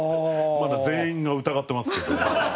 まだ全員が疑ってますけども。